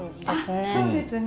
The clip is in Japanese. そうですね